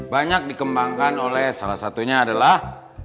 banyak dikembangkan oleh salah satunya adalah